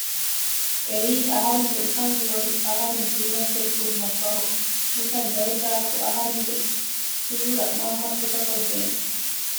އެއީ އަހަރެންގެ އުފަންދުވަހު އަހަރެން ޒީނަތްތެރި ކުރުމަށްފަހު ނިކަން ލޯތްބާއެކު އަހަރެންގެ ސޫރަ މަންމަ ސިފަކޮށްދޭނެ